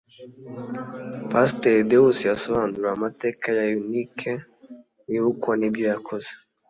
Pasiteri Deus Sangwa yabasobanuriye amateka ya Eunice wibukwa n’ibyo yakoze